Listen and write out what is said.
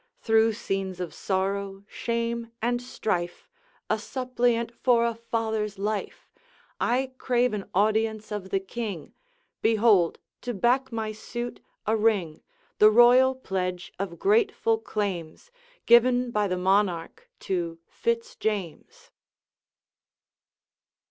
Through scenes of sorrow, shame, and strife, A suppliant for a father's life, I crave an audience of the King. Behold, to back my suit, a ring, The royal pledge of grateful claims, Given by the Monarch to Fitz James.'